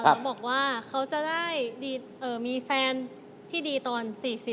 เขาบอกว่าเขาจะได้มีแฟนที่ดีตอน๔๐